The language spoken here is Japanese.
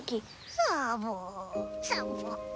サボーサボ。